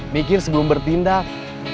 mikir sebelum bertindak